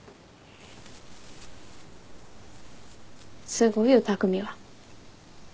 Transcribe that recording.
すごいよ匠は。